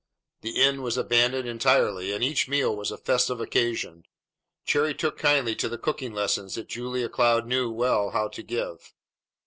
The inn was abandoned entirely, and each meal was a festive occasion. Cherry took kindly to the cooking lessons that Julia Cloud knew well how to give.